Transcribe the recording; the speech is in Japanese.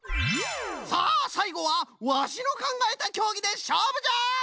さあさいごはワシのかんがえたきょうぎでしょうぶじゃ！